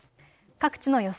各地の予想